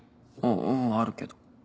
あうんあるけど。